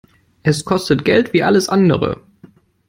Es kostet Geld wie alles andere.